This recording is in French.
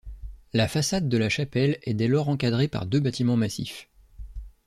La façade de la chapelle est dès lors encadrée par deux bâtiments massifs.